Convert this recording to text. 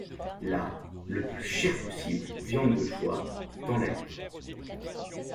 Là, le plus cher possible, viande de choix, tant la livre !…